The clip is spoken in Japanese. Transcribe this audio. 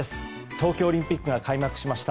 東京オリンピックが開幕しました。